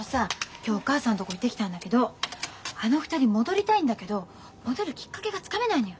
今日お母さんところ行ってきたんだけどあの２人戻りたいんだけど戻るきっかけがつかめないのよ。